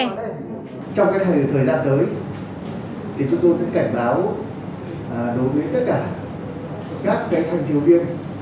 trong thời gian tới chúng tôi cũng cảnh báo đối với tất cả các thành thiếu biên